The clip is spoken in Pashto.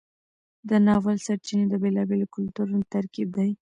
د ناول سرچینې د بیلابیلو کلتورونو ترکیب دی.